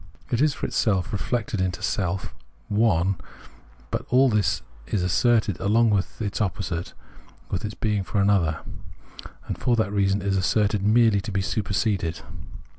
It is for itself, reflected into self, one ; but all this is asserted along with its opposite, with its being for another, and for that reason is asserted merely to be superseded.